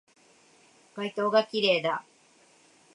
街灯が綺麗だ